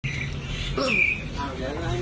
อร๊ายแม่ลูกลูกขาคนอะไรอ๋อไปซื้ออะไรอะไรอะไรน่ะ